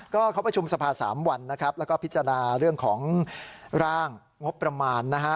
ก็เขาประชุมสภา๓วันนะครับแล้วก็พิจารณาเรื่องของร่างงบประมาณนะฮะ